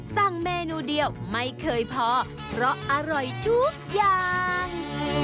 สั่งเมนูเดียวไม่เคยพอเพราะอร่อยทุกอย่าง